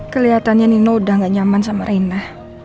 kelihatannya nino udah gak nyaman sama reina